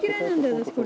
私これ。